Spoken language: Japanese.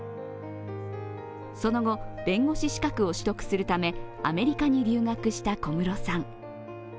その後、弁護士資格を取得するためアメリカに留学した小室さん。